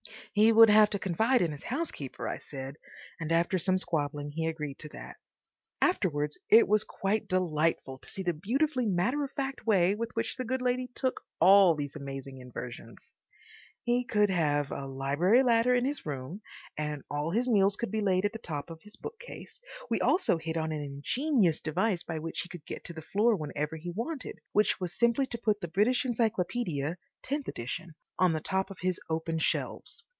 He would have to confide in his housekeeper, I said; and after some squabbling he agreed to that. (Afterwards it was quite delightful to see the beautifully matter of fact way with which the good lady took all these amazing inversions.) He could have a library ladder in his room, and all his meals could be laid on the top of his bookcase. We also hit on an ingenious device by which he could get to the floor whenever he wanted, which was simply to put the British Encyclopaedia (tenth edition) on the top of his open shelves.